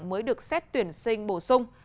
mới được xét tuyển sinh bổ sung